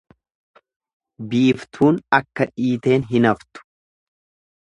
Biiftuun akka dhiiteen hin haftu.